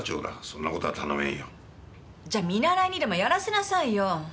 そんなことは頼めんよじゃあ見習いにでもやらせなさいよ